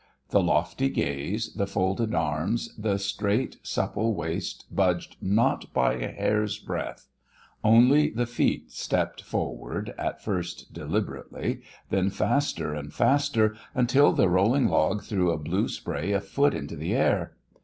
The lofty gaze, the folded arms, the straight supple waist budged not by a hair's breadth; only the feet stepped forward, at first deliberately, then faster and faster, until the rolling log threw a blue spray a foot into the air.